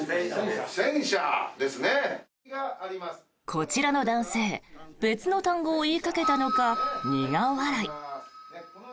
こちらの男性別の単語を言いかけたのか苦笑い。